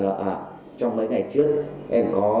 mặc dù không có các triệu chứng nghiệm